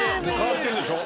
変わってるでしょ？